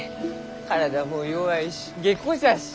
体も弱いし下戸じゃし。